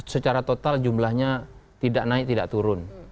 secara total jumlahnya tidak naik tidak turun